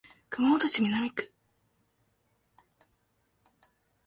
熊本市南区